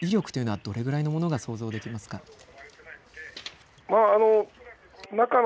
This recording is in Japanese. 爆発の威力というのはどのくらいのものが想像できますか。